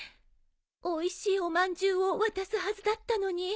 おいしいおまんじゅうを渡すはずだったのに。